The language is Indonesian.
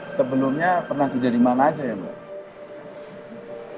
sebelumnya pernah kerja di mana aja ya mbak